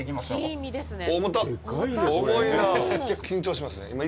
緊張しますね。